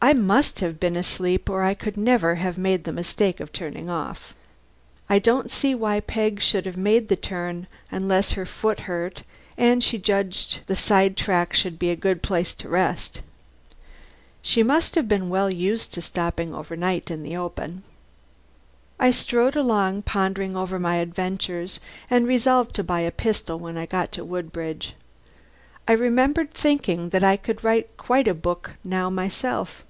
I must have been asleep or I could never have made the mistake of turning off. I don't see why Peg should have made the turn, unless her foot hurt and she judged the side track would be a good place to rest. She must have been well used to stopping overnight in the open. I strode along pondering over my adventures, and resolved to buy a pistol when I got to Woodbridge. I remember thinking that I could write quite a book now myself.